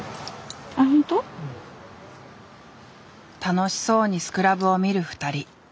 楽しそうにスクラブを見る２人。